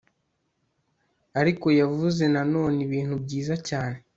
ariko yavuze na none ibintu byiza cyane